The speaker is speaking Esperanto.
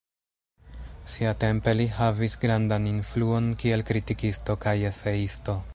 Siatempe li havis grandan influon kiel kritikisto kaj eseisto.